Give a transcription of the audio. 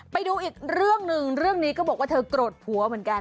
ไปดูอีกเรื่องหนึ่งเรื่องนี้ก็บอกว่าเธอโกรธผัวเหมือนกัน